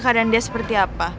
keadaan dia seperti apa